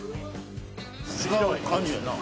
違う感じやな。